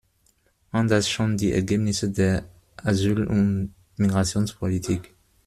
Anders schon die Ergebnisse der Asyl- und Migrationspolitik.